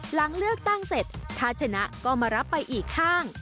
หลังเลือกตั้งเสร็จถ้าชนะก็มารับไปอีกข้าง